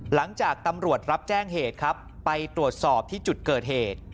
หลังจากตำรวจรับแจ้งเหตุครับไปตรวจสอบที่จุดเกิดเหตุ